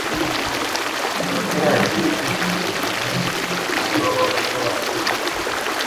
bataragira ibitekerezo bihamye, igihe baba bataragira